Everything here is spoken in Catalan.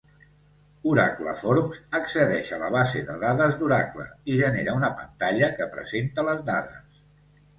Oracle Forms accedeix a la base de dades d'Oracle i genera una pantalla que presenta les dades.